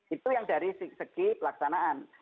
itu yang dari segi pelaksanaan